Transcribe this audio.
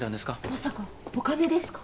まさかお金ですか？